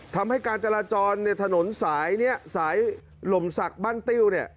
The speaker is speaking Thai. ทำให้การจราจรในถนนสายนี้สายลมศักดิ์บ้านติ้วเนี่ย